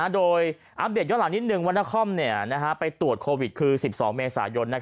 โดยอัปเดตย้อนหลังนิดนึงว่านครไปตรวจโควิดคือ๑๒เมษายน